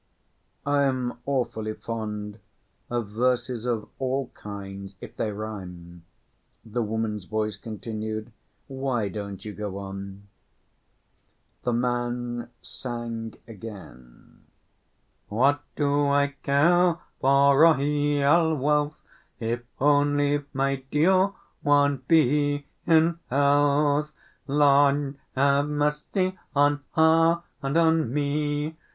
"I am awfully fond of verses of all kinds, if they rhyme," the woman's voice continued. "Why don't you go on?" The man sang again: What do I care for royal wealth If but my dear one be in health? Lord have mercy On her and on me!